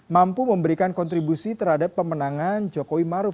mampu memberikan kontribusi terhadap pemenangan jokowi maruf